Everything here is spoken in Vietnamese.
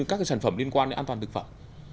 các sản phẩm liên quan đến an toàn thực phẩm